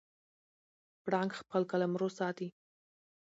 پړانګ خپل قلمرو ساتي.